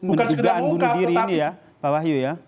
membukaan bunuh diri ini ya pak wahyu